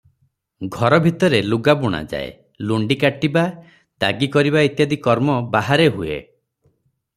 ଘର ଭିତରେ ଲୁଗା ବୁଣାଯାଏ; ଲୁଣ୍ତି କାଟିବା, ତାଗୀ କରିବା ଇତ୍ୟାଦି କର୍ମ ବାହାରେ ହୁଏ ।